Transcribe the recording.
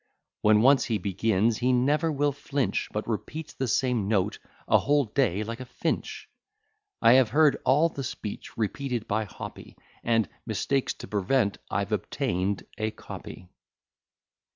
When once he begins, he never will flinch, But repeats the same note a whole day like a Finch. I have heard all the speech repeated by Hoppy,' And, "mistakes to prevent, I've obtained a copy."